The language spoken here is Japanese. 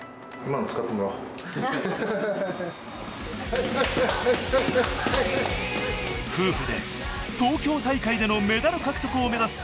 夫婦で東京大会でのメダル獲得を目指す廣瀬順子。